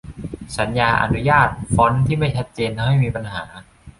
สัญญาอนุญาต ฟอนต์ ที่ไม่ชัดเจน ทำให้มีปัญหา